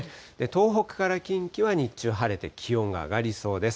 東北から近畿は日中晴れて、気温が上がりそうです。